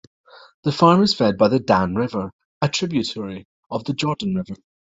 The farm is fed by the Dan River, a tributary of the Jordan River.